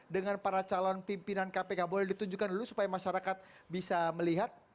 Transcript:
dengan para calon pimpinan kpk boleh ditunjukkan dulu supaya masyarakat bisa melihat